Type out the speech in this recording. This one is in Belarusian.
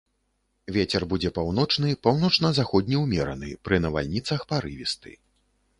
Вецер будзе паўночны, паўночна-заходні ўмераны, пры навальніцах парывісты.